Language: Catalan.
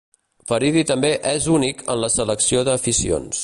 Faridi també és únic en la selecció d'aficions.